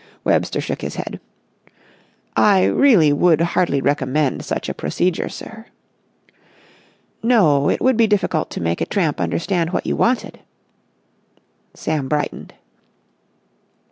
Webster shook his head. "I really would hardly recommend such a procedure, sir." "No, it would be difficult to make a tramp understand what you wanted." Sam brightened.